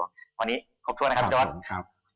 อันนี้ขอบคุณนะครับด๊อต